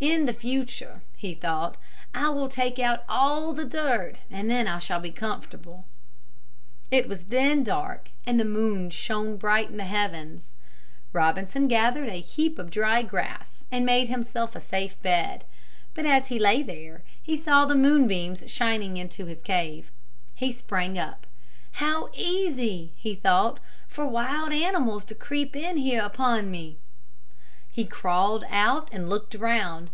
"In the future," he thought, "I will take out all the dirt and then I shall be comfortable." It was then dark and the moon shone bright in the heavens. Robinson gathered a heap of dry grass and made himself a safe bed. But as he lay there he saw the moonbeams shining into his cave. He sprang up. "How easy," he thought, "for wild animals to creep in here upon me." He crawled out and looked around.